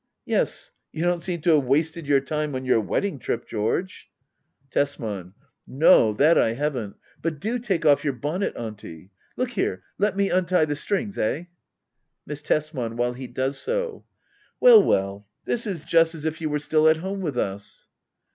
Yes, you don't seem to have wasted your time on your wedding trip, George. Digitized by Google 10 HBDDA OABLBR. [aCT I. Tbsman. No^ that I haven't. But do take off your bon net. Auntie. Look here ! Let me untie the strings — eh ? Miss Tesman. [While he does so.'\ Well well— this is just as if you were still at home with us.